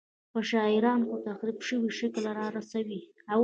په شاعرانه خو تحریف شوي شکل رارسوي.